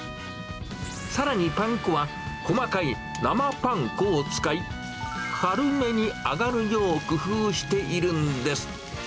さらにパン粉は細かい生パン粉を使い、軽めに揚がるよう工夫しているんです。